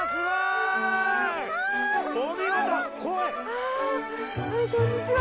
ああこんにちは。